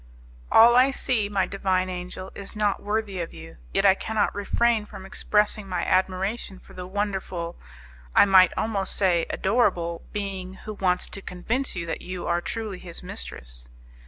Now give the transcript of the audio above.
"All I see, my divine angel, is not worthy of you; yet I cannot refrain from expressing my admiration for the wonderful, I might almost say adorable, being who wants to convince you that you are truly his mistress."